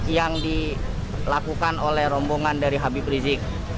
yang dilakukan oleh rombongan dari habib rizik